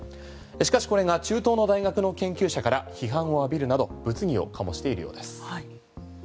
しかしこれが中東の大学の研究者から批判を浴びるなど物議を醸しているようです。